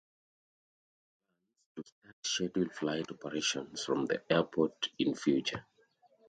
There are plans to start scheduled flight operations from the airport in future.